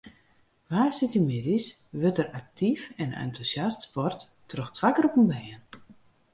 Woansdeitemiddeis wurdt der aktyf en entûsjast sport troch twa groepen bern.